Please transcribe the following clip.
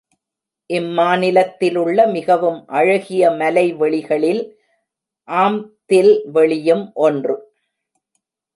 இம் மா நிலத்திலுள்ள மிகவும் அழகிய மலைவெளிகளில் ஆம்ப்தில் வெளியும் ஒன்று.